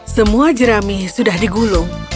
semua jerami sudah digulung